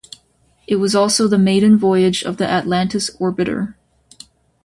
It was also the maiden voyage of the "Atlantis" orbiter.